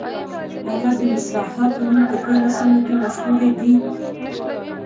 هغه د مصرعها په نوم په ټولو سیمو کې مشهورې دي.